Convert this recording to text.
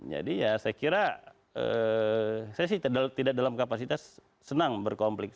jadi ya saya kira saya sih tidak dalam kapasitas senang berkomplik